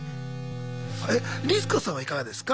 えっリス子さんはいかがですか？